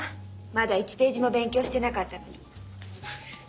まだ１ページも勉強してなかったのに。